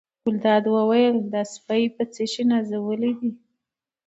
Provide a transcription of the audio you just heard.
ګلداد وویل دا سپی په څه شي ناولی دی.